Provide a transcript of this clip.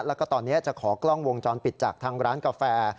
แล้วก็ตอนนี้จะขอกล้องวงจรปิดจากทางร้านกาแฟ